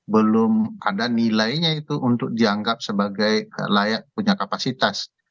belum ada nilainya itu untuk dianggap sebagai layak punya kapasitas